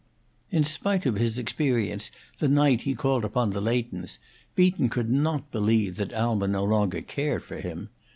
In spite of his experience the night he called upon the Leightons, Beaton could not believe that Alma no longer cared for him.